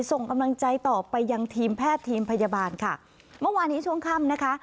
ส่งกำลังใจต่อไปยังทีมแพทย์ทีมพยาบาลค่ะเมื่อวานนี้ช่วงค่ำนะคะ